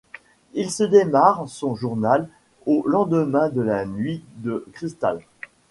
Ilse démarre son journal aux lendemains de la Nuit de Cristal.